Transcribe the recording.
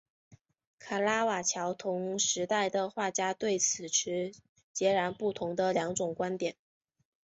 卡拉瓦乔同时代的画家对此持截然不同的两种观点。